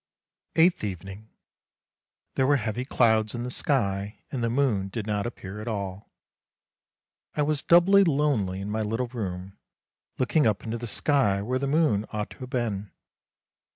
EIGHTH EVENING There were heavy clouds in the sky, and the moon did not appear at all. I was doubly lonely in my little room, looking up into the sky where the moon ought to have been.